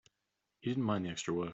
He didn't mind the extra work.